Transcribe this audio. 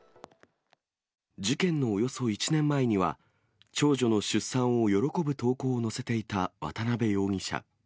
事件のおよそ１年前には、長女の出産を喜ぶ投稿を載せていた渡辺容疑者。